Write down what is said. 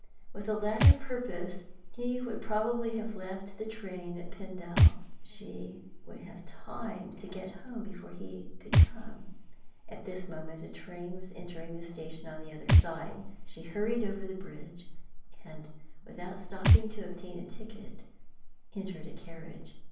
With the latter purpose he would probably have left the train at Pendal. She would have time to get home before he could come. At this moment a train was entering the station on the other side. She hurried over the bridge, and, without stopping to obtain a ticket, entered a carriage.